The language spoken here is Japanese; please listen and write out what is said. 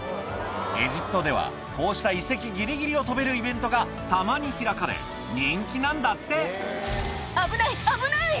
エジプトではこうした遺跡ギリギリを飛べるイベントがたまに開かれ人気なんだって危ない危ない！